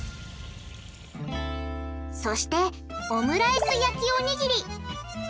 そしてオムライス焼きおにぎり！